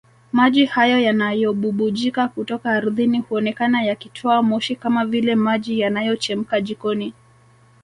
Maji hayo yanayobubujika kutoka ardhini huonekana yakitoa moshi kama vile maji yanayochemka jikoni